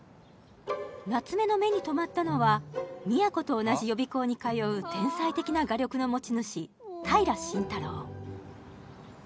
夏目の目に留まったのは都と同じ予備校に通う天才的な画力の持ち主平真太郎